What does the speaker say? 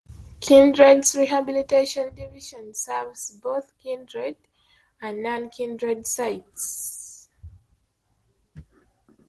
Kindred's Rehabilitation division serves both Kindred and non-Kindred sites.